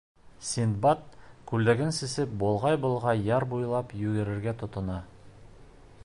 Синдбад күлдәген сисеп болғай-болғай яр буйлап йүгерергә тотона.